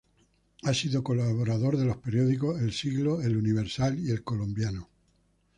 Ha sido colaborador de los periódicos El Siglo, El Universal y El Colombiano.